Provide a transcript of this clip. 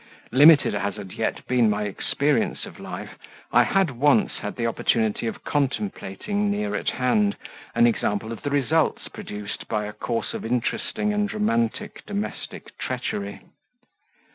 Limited as had yet been my experience of life, I had once had the opportunity of contemplating, near at hand, an example of the results produced by a course of interesting and romantic domestic treachery.